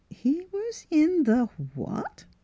" He was in the — what ?"